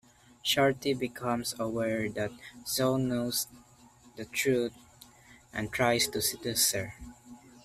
Charity becomes aware that Zoe knows the truth and tries to seduce her.